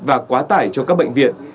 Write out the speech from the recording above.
và quá tải cho các bệnh viện